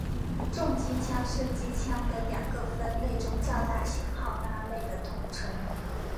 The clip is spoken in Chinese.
重机枪是机枪的两个分类中较大型号那类的统称。